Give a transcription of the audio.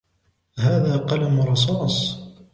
هذا قلم رصاص.